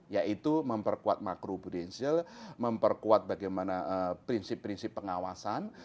yaitu memperkuat makro prudensial memperkuat bagaimana prinsip prinsip pengawasan